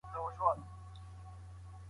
خاوند د خلعي په بدل کي عوض ترلاسه کوي.